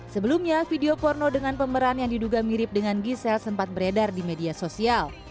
sebelumnya video porno dengan pemeran yang diduga mirip dengan gisel sempat beredar di media sosial